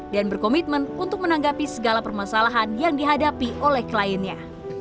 dan berkomitmen untuk menanggapi segala permasalahan yang dihadapi oleh kliennya